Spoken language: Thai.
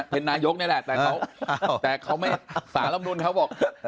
เป็นนายกก็ได้แล้วแต่เขาไม่ทราบรำนวณเขาบอก